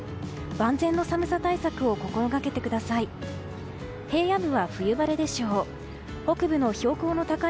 万全の寒さ対策を心掛けてください。